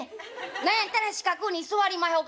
何やったら四角うに座りまひょか？」。